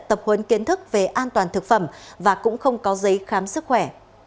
tập huấn kiến thức về an toàn thực phẩm và cũng không có giấy khám sức khỏe